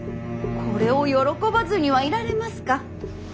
これを喜ばずにはいられますか。